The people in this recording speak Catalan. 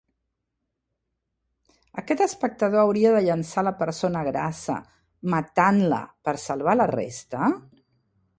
Aquest espectador hauria de llençar la persona grassa, matant-la, per salvar la resta?